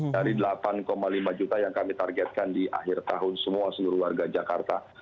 dari delapan lima juta yang kami targetkan di akhir tahun semua seluruh warga jakarta